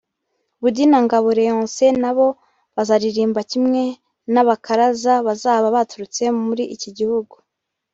Budi na Ngabo Leonce na bo bazaririmba kimwe n’abakaraza bazaba baturutse muri iki gihugu